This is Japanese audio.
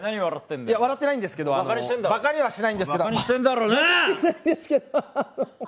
笑ってないんですけど、ばかにしてないんですけどははは